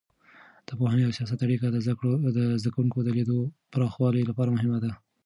د پوهنې او سیاحت اړیکه د زده کوونکو د لید پراخولو لپاره مهمه ده.